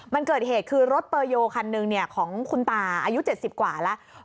มันเกิดเหตุคือรถเปอร์โยคันหนึ่งของคุณตาอายุ๗๐กว่าแล้ว